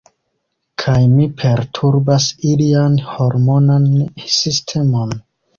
Kaj mi perturbas ilian hormonan sistemon.